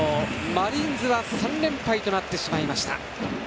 マリーンズは３連敗となってしまいました。